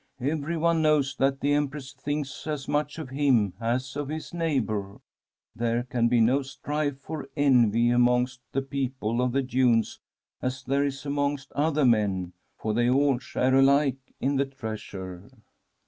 Everyone knows that the Empress thinks as much of him as of his neighbour. There can be no strife or envy amongst the people of the dunes as there is amongst other men, for they all share alike in the treasure."